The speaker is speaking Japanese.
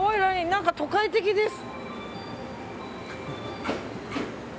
何か都会的です。